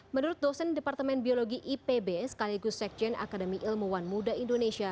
menurut dosen departemen biologi ipb sekaligus sekjen akademi ilmuwan muda indonesia